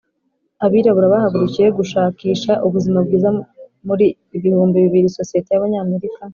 abirabura bahagurukiye gushakisha ubuzima bwiza muri bihumbi bibiri sosiyete y'abanyamerika